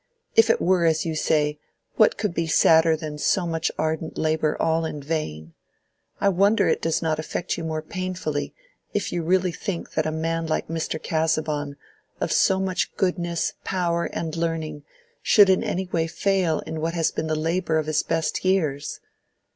"If it were as you say, what could be sadder than so much ardent labor all in vain? I wonder it does not affect you more painfully, if you really think that a man like Mr. Casaubon, of so much goodness, power, and learning, should in any way fail in what has been the labor of his best years."